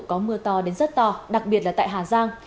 tiếp tục có mưa to đến rất to đặc biệt là tại hà giang